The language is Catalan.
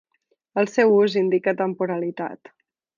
El seu ús indica temporalitat.